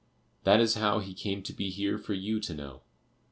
That is how he came to be here for you to know.